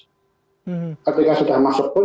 ketika sudah masuk pun